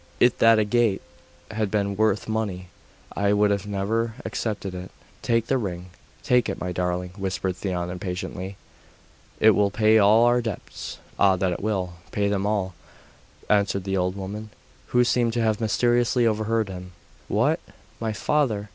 It that agate had been worth money, I would never have accepted it.' 'Take the ring, take it, my darling,' whispered Theon impatiently; 'it will pay all our debts.' 'Ah, that it will pay them all,' answered the old woman, who seemed to have mysteriously overheard him. 'What! my father!